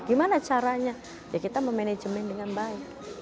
gimana caranya ya kita memanajemen dengan baik